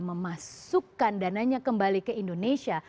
memasukkan dananya kembali ke indonesia